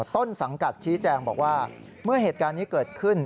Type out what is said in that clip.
ต้นสังกัดชี้แจงบอกว่าเมื่อเหตุการณ์นี้เกิดขึ้น